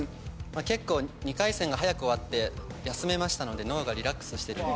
結構２回戦が早く終わって休めましたので脳がリラックスしてるんで。